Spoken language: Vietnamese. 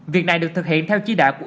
việc này được thực hiện theo chí đạo của